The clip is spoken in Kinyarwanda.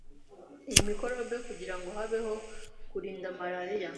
iyi microbe kugira ngo habeho kurinda malaria.